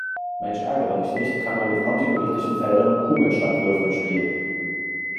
Mensch-ärgere-dich-nicht kann man mit kontinuierlichen Feldern und Kugeln statt Würfeln spielen.